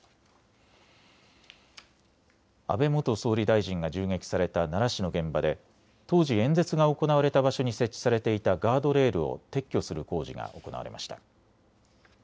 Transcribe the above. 安倍元総理大臣が銃撃された奈良市の現場で当時、演説が行われた場所に設置されていたガードレールを撤去する工事が行われました。